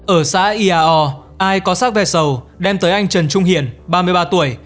ở xã iao ai có xác vẹt sầu đem tới anh trần trung hiền ba mươi ba tuổi